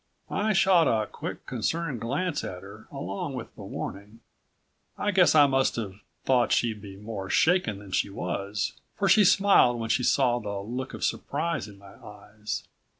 I shot a quick, concerned glance at her along with the warning. I guess I must have thought she'd be more shaken than she was, for she smiled when she saw the look of surprise in my eyes.